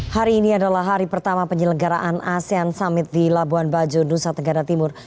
hari ini adalah hari pertama penyelenggaraan asean summit di labuan bajo nusa tenggara timur